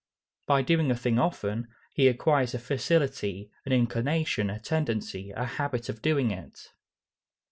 By doing a thing often, he acquires a facility, an inclination, a tendency, a habit of doing it.